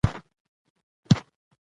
يو غږ يې واورېد: ابا!